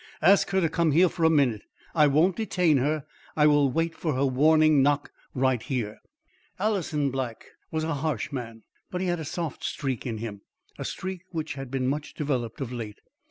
Ask her to come here for a minute. I won't detain her. I will wait for her warning knock right here." Alanson Black was a harsh man, but he had a soft streak in him a streak which had been much developed of late.